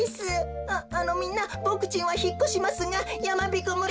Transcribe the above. ああのみんなボクちんはひっこしますがやまびこ村。